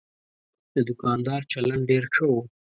د دوکاندار چلند ډېر ښه و.